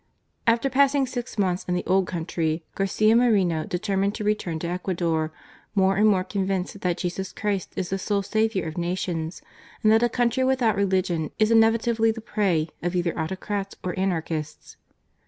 After passing six months in the old country, Garcia Moreno determined to return to Ecuador, more and more convinced that Jesus Christ is the sole Saviour of nations, and that a country without religion is inevitably the prey of either autocrats or anarchists.